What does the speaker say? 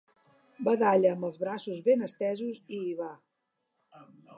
Badalla amb els braços ben estesos i hi va.